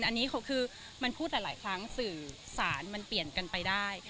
อันนี้คือมันพูดหลายครั้งสื่อสารมันเปลี่ยนกันไปได้